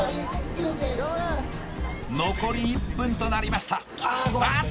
残り１分となりました